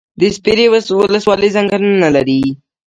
د سپیرې ولسوالۍ ځنګلونه لري